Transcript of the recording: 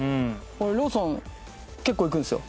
ローソン結構行くんですよ